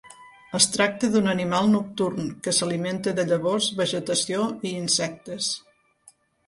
Es tracta d'un animal nocturn que s'alimenta de llavors, vegetació i insectes.